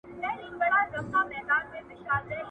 د عکسونو اخیستل او د غزل راتلل وه: `